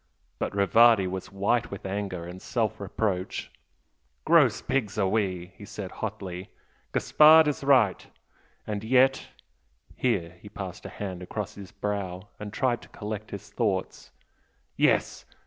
But Rivardi was white with anger and self reproach. "Gross pigs we are!" he said, hotly "Gaspard is right! And yet " here he passed a hand across his brow and tried to collect his thoughts "yes!